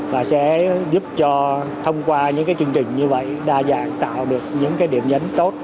và sẽ giúp cho thông qua những cái chương trình như vậy đa dạng tạo được những cái điểm nhấn tốt